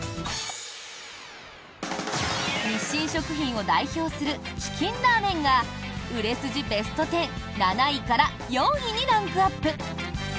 日清食品を代表するチキンラーメンが売れ筋ベスト１０７位から４位にランクアップ。